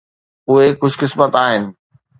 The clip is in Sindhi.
اهي خوش قسمت آهن.